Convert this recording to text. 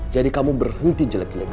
jadi kamu berhenti jelek jelekangnya